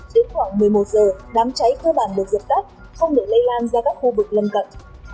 đến khoảng một mươi một giờ đám cháy khơi bàn được dập tắt không được lây lan ra các khu vực lân cận